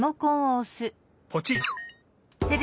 ポチッ！